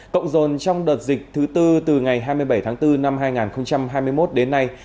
cộng dồn trong đợt dịch thứ tư từ ngày hai mươi bảy tháng bốn năm hai nghìn hai mươi một đến nay